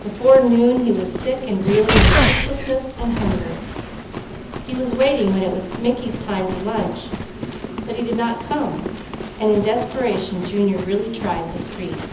Before noon he was sick and reeling with sleeplessness and hunger. He was waiting when it was Mickey's time to lunch, but he did not come, and in desperation Junior really tried the street.